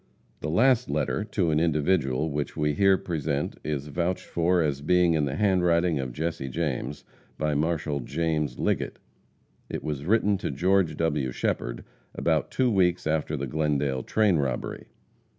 The last letter, to an individual, which we here present, is vouched for as being in the handwriting of Jesse James, by Marshal James Liggett. It was written to George W. Shepherd about two weeks after the Glendale train robbery.